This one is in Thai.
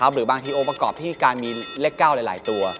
หรือบางทีโอกาสที่มีการมีเลข๙หลายตัว